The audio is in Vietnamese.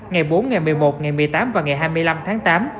ngày bốn ngày một mươi một ngày một mươi tám và ngày hai mươi năm tháng tám